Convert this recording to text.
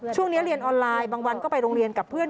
เรียนออนไลน์บางวันก็ไปโรงเรียนกับเพื่อน